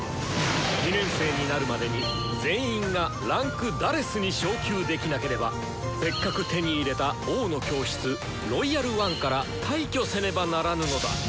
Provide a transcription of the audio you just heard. ２年生になるまでに全員が位階「４」に昇級できなければせっかく手に入れた「王の教室」「ロイヤル・ワン」から退去せねばならぬのだ！